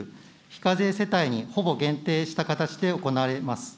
非課税世帯にほぼ限定した形で行われます。